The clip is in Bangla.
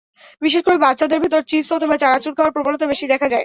বিশেষ করে বাচ্চাদের ভেতর চিপস অথবা চানাচুর খাওয়ার প্রবণতা বেশি দেখা যায়।